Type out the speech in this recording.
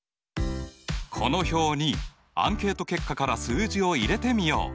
この表にアンケート結果から数字を入れてみよう。